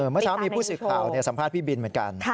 เมื่อเช้ามีผู้สื่อข่าวสัมภาษณ์พี่บินเหมือนกัน